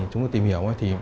chúng tôi tìm hiểu